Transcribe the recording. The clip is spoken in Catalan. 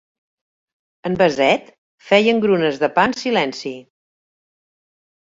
En Bassett feia engrunes de pa en silenci.